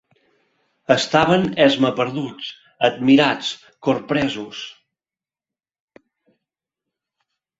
Estaven esmaperduts, admirats, corpresos